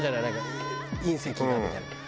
隕石がみたいな。